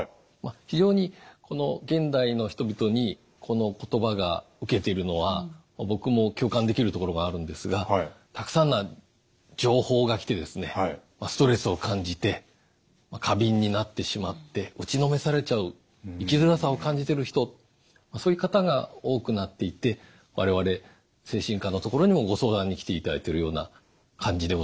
非常に現代の人々にこの言葉が受けているのは僕も共感できるところがあるんですがたくさんの情報が来てストレスを感じて過敏になってしまって打ちのめされちゃう生きづらさを感じてる人そういう方が多くなっていて我々精神科のところにもご相談に来ていただいてるような感じでございます。